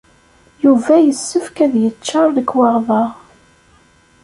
Yuba yessefk ad yeččaṛ lekwaɣeḍ-a.